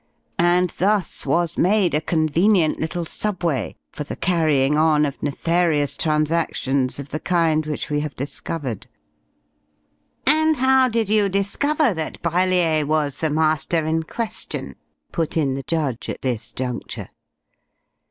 And thus was made a convenient little subway for the carrying on of nefarious transactions of the kind which we have discovered." "And how did you discover that Brellier was the 'Master' in question?" put in the judge at this juncture.